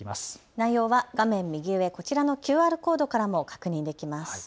内容は画面右上、こちらのＱＲコードからも確認できます。